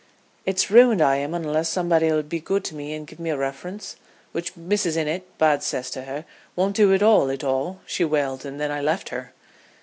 "It's ruined I am unless somebody'll be good to me and give me a riference, which Mrs. Innitt, bad cess to her, won't do, at all, at all," she wailed, and then I left her.